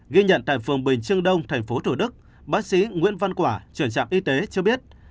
ghi nhận tại phường bình trương đông thành phố thủ đức bác sĩ nguyễn văn quả trưởng trạm y tế cho biết